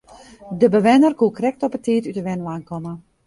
De bewenner koe krekt op 'e tiid út de wenwein komme.